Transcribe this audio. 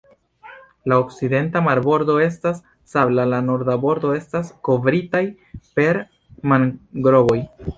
La okcidenta marbordo estas sabla, la norda bordo estas kovritaj per mangrovoj.